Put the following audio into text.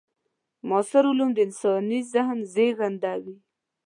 معاصر علوم د انساني ذهن زېږنده وي.